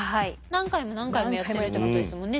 何回も何回もやってるってことですもんね